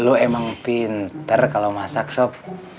lu emang pinter kalau masak sop